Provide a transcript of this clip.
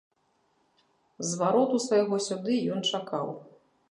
Звароту свайго сюды ён чакаў.